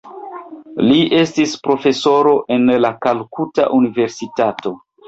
Li estis profesoro en la Kalkuta Universitato.